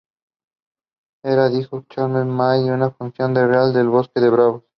Era hijo de Clemens Mayr, un funcionario Real de los bosque bávaros.